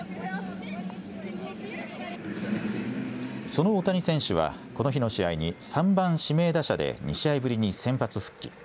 その大谷選手は、この日の試合に、３番指名打者で２試合ぶりに先発復帰。